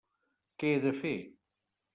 Què he de fer?